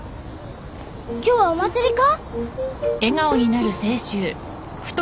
今日はお祭りか？